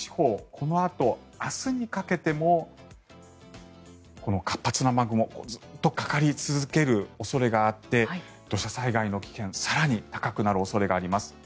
このあと明日にかけてもこの活発な雨雲ずっとかかり続ける恐れがあって土砂災害の危険更に高くなる恐れがあります。